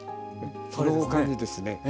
その他にですね